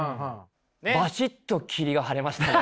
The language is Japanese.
ばしっと霧が晴れましたね。